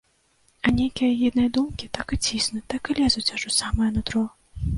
А нейкія агідныя думкі так і ціснуць, так і лезуць аж у самае нутро.